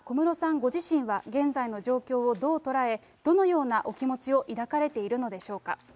ご自身は、現在の状況をどう捉え、どのようなお気持ちを抱かれているのでしょうか。